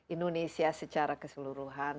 indonesia secara keseluruhan